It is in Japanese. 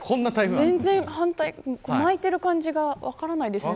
巻いている感じが分からないですね。